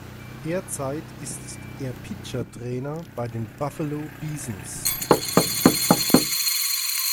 Derzeit ist er Pitcher-Trainer bei den "Buffalo Bisons".